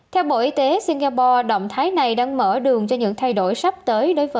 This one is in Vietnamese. theo bộ y tế singapore động thái này đang mở đường cho những thay đổi sắp tới